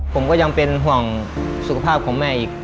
ผมก็ยังเป็นห่วงสุขภาพของแม่อีก